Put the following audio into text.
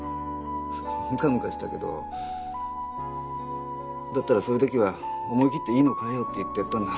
ムカムカしたけど「だったらそういう時は思い切っていいの買えよ」って言ってやったんだ。